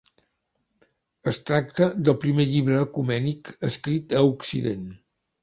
Es tracta del primer llibre ecumènic escrit a Occident.